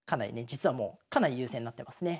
実はもうかなり優勢になってますね。